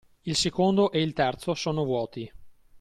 Il secondo e il terzo sono vuoti.